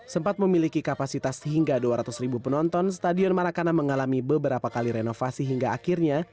sempat memiliki kapasitas hingga dua ratus ribu penonton stadion marakana mengalami beberapa kali renovasi hingga akhirnya